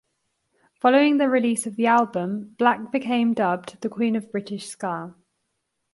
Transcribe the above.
Following the release of the album, Black became dubbed the Queen of British Ska.